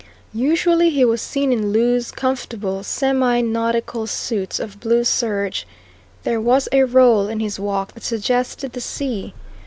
Usually he was seen in loose, comfortable, semi nautical suits of blue serge; there was a roll in his walk that suggested the sea.